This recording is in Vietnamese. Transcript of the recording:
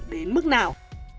đến mức nào